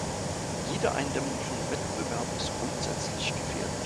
Jede Eindämmung von Wettbewerb ist grundsätzlich gefährlich.